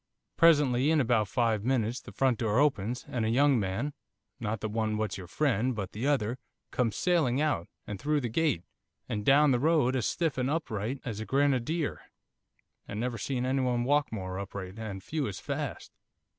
'Presently, in about five minutes, the front door opens, and a young man not the one what's your friend, but the other comes sailing out, and through the gate, and down the road, as stiff and upright as a grenadier, I never see anyone walk more upright, and few as fast.